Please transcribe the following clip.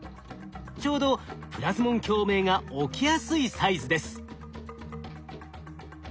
ちょうどプラズモン共鳴が起きやすいサイズです。